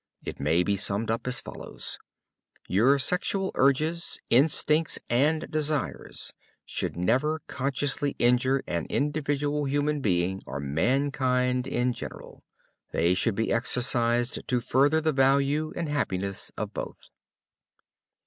It may be summed up as follows: "Your sexual urges, instincts and desires should never consciously injure an individual human being or mankind in general. They should be exercised to further the value and happiness of both."